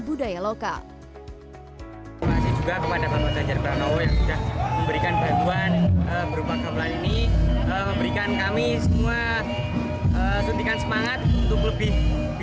budaya lokal juga kepada pak jajar pranowo yang sudah memberikan bantuan berupa kamelan ini